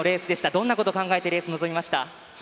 どんなことを考えてレース臨みました？